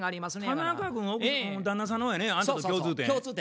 田中君旦那さんの方やねあんたと共通点？